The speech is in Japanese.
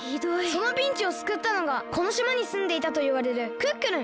そのピンチをすくったのがこのしまにすんでいたといわれるクックルン。